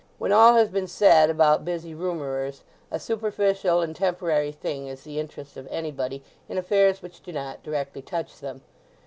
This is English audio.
When all has been said about busy rumourers, a superficial and temporary thing is the interest of anybody in affairs which do not directly touch them.